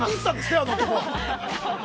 あの男は。